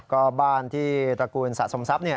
ก็บ้านที่ตระกูลสะสมทรัพย์